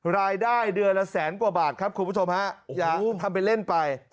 รายได้เดือนละแสนกว่าบาทครับคุณผู้ชมฮะอย่าทำเป็นเล่นไป